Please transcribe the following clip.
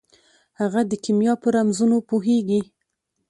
هغه د کیمیا په رمزونو پوهیږي.